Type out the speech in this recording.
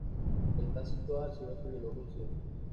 Está situada al sudeste de Bielorrusia.